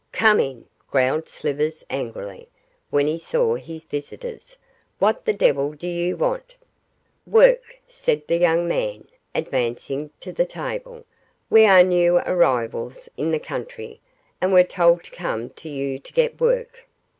'Come in,' growled Slivers, angrily, when he saw his visitors. 'What the devil do you want?' 'Work,' said the young man, advancing to the table. 'We are new arrivals in the country, and were told to come to you to get work.